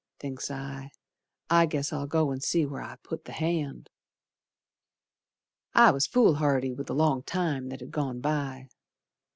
Thinks I, I guess I'll go and see where I put the hand. I was foolhardy with the long time that had gone by.